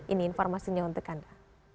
ini informasinya untuk anda